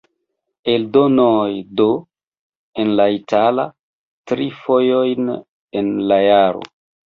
Eldonoj D, en la itala, tri fojojn en la jaro.